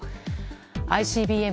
ＩＣＢＭ